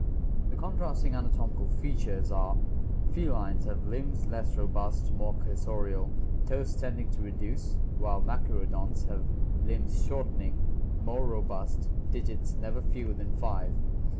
The contrasting anatomical features are: Felines — Limbs less robust, more cursorial, toes tending to reduce; Machaerodonts — Limbs shortening, more robust, digits never fewer than five.